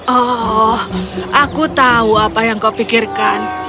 oh aku tahu apa yang kau pikirkan